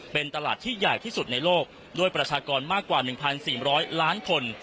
เป็นตลาดที่ใหญ่ที่สุดในโลกด้วยประชากรมากกว่า๑๔๐๐ล้านคน